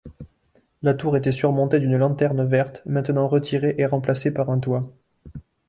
La tour était surmontée d'une lanterne verte, maintenant retirée et remplacée par un toit.